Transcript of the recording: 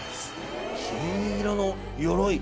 金色のよろい。